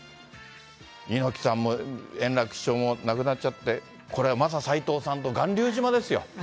猪木さんも円楽師匠も亡くなっちゃって、これは、まささいとうさんと巌流島ですよ。